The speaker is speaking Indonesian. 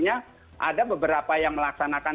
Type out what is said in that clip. tidak berjalan artinya ada beberapa yang melaksanakan